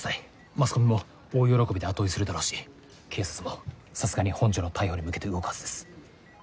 マスコミも大喜びで後追いするだろうし警察もさすがに本城の逮捕に向けて動くはずです。